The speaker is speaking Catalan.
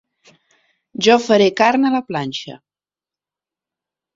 Jo faré carn a la planxa.